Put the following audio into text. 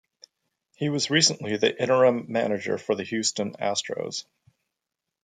He was recently the interim manager for the Houston Astros.